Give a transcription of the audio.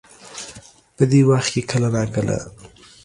په دې وخت کې کله نا کله